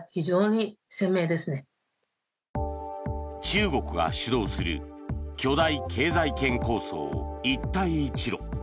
中国が主導する巨大経済圏構想、一帯一路。